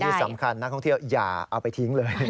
ที่สำคัญนักท่องเที่ยวอย่าเอาไปทิ้งเลย